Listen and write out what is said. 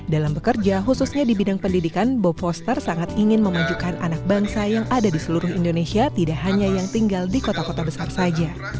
dalam bekerja khususnya di bidang pendidikan bob foster sangat ingin memajukan anak bangsa yang ada di seluruh indonesia tidak hanya yang tinggal di kota kota besar saja